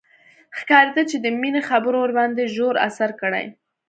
ښکارېده چې د مينې خبرو ورباندې ژور اثر کړی.